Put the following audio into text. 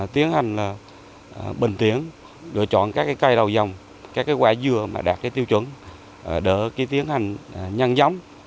tiến hành bình tiến đổi chọn các cây đầu dòng các quả dừa đạt tiêu chuẩn đỡ tiến hành nhăn giống